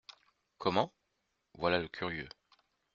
Comment ? Voilà le curieux.